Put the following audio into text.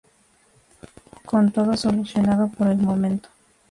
Con todo solucionado por el momento.